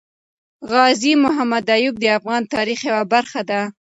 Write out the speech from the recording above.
غازي محمد ايوب د افغان تاريخ يوه برخه ده